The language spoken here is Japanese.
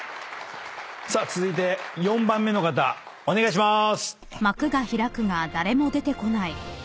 さあ続いて４番目の方お願いしまーす！